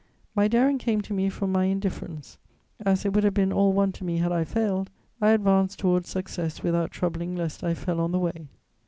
My daring came to me from my indifference: as it would have been all one to me had I failed, I advanced towards success without troubling lest I fell on the way.